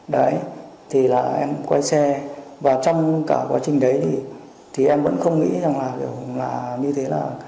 đấy thì là em quay xe và trong cả quá trình đấy thì em vẫn không nghĩ rằng là như thế là